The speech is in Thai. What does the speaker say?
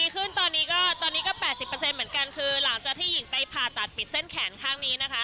ขึ้นตอนนี้ก็ตอนนี้ก็๘๐เหมือนกันคือหลังจากที่หญิงไปผ่าตัดปิดเส้นแขนข้างนี้นะคะ